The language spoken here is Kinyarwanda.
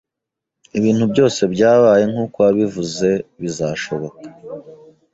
Ibintu byose byabaye nkuko wabivuze bizashoboka.